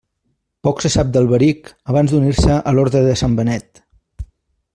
Poc se sap d'Alberic abans d'unir-se a l'Orde de Sant Benet.